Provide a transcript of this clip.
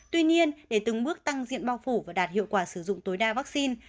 tuy nhiên để từng bước tăng diện bao phủ và đạt hiệu quả sử dụng tối đa vaccine